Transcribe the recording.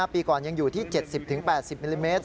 ปีก่อนยังอยู่ที่๗๐๘๐มิลลิเมตร